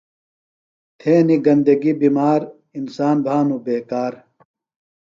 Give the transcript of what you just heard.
تھینیۡ گندگیۡ بِمار، انسان بھانوۡ بیکار